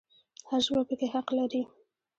هر ژبه پکې حق لري